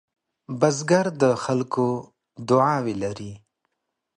بزګر د خلکو دعاوې لري